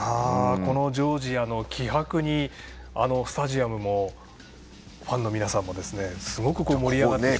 このジョージアの気迫にスタジアムもファンの皆さんもすごく盛り上がっていて。